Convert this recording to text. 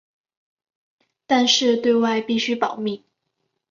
但是对外必须保密。